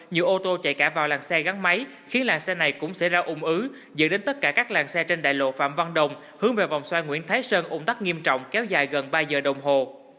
nhiều ô tô chạy cả vào làng xe gắn máy khiến làng xe này cũng xảy ra ủng ứ dẫn đến tất cả các làng xe trên đại lộ phạm văn đồng hướng về vòng xoay nguyễn thái sơn ủng tắc nghiêm trọng kéo dài gần ba giờ đồng hồ